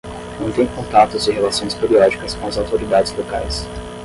Mantém contatos e relações periódicas com as autoridades locais.